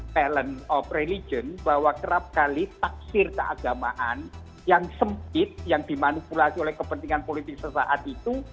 talent of religion bahwa kerap kali taksir keagamaan yang sempit yang dimanipulasi oleh kepentingan politik sesaat itu